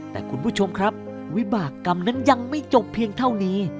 แต่คุณผู้ชมครับวิบากรรมนั้นยังไม่จบเพียงเท่านี้